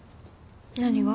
何が？